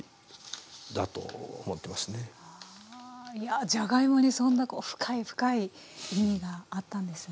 いやじゃがいもにそんな深い深い意味があったんですね。